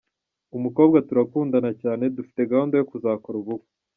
Umukobwa turakundana cyane, dufite gahunda yo kuzakora ubukwe.